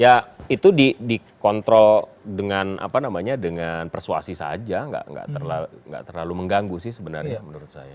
ya itu dikontrol dengan persuasi saja nggak terlalu mengganggu sih sebenarnya menurut saya